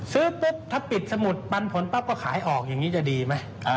ซื้อปุ๊บถ้าปิดสมุดปันผลปั๊บก็ขายออกอย่างนี้จะดีไหม